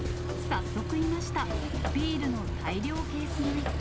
早速いました、ビールの大量ケース買い。